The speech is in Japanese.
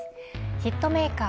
ヒットメーカー